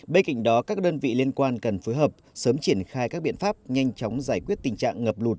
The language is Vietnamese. bên cạnh đó các đơn vị liên quan cần phối hợp sớm triển khai các biện pháp nhanh chóng giải quyết tình trạng ngập lụt